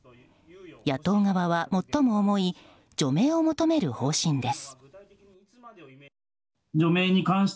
野党側は、最も重い除名を求める方針です。